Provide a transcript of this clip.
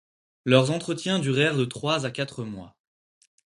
Leurs entretiens durèrent de trois à quatre mois.